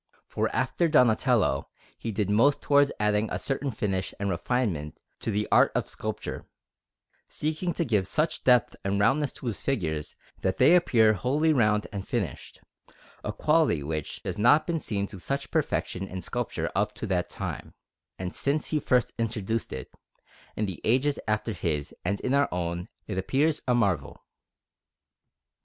For after Donatello he did most towards adding a certain finish and refinement to the art of sculpture, seeking to give such depth and roundness to his figures that they appear wholly round and finished, a quality which had not been seen to such perfection in sculpture up to that time; and since he first introduced it, in the ages after his and in our own it appears a marvel.